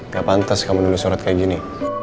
gak pantas kamu menulis surat kayak gini